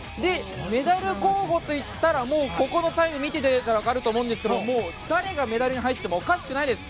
メダル候補といったらここのタイムを見ていただいたら分かると思うんですけど誰がメダルに入ってもおかしくないです。